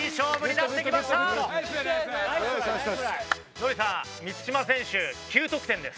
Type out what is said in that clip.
ノリさん満島選手９得点です。